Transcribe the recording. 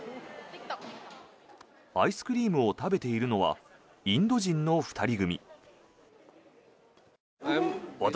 アイスクリームを食べているのはインド人の２人組。